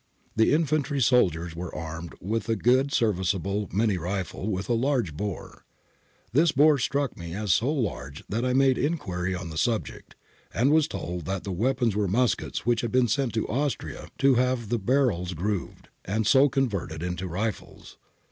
The infantry soldiers were armed with a good serviceable minie rifle, with a large bore. This bore struck me as so large that I made inquiry on the subject, and was told that the weapons were muskets which had been sent to Austria to have the barrels grooved, and so converted into rifles.